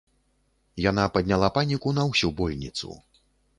Яна падняла паніку на ўсю больніцу.